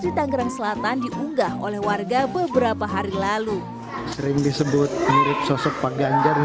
di tangerang selatan diunggah oleh warga beberapa hari lalu sering disebut mirip sosok pak ganjar